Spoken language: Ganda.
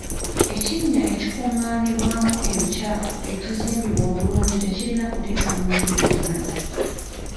Ekinnya ekikungaaniamu ebikyafu ekizimbiddwa obulungi tekirina kutiisa muntu yenna.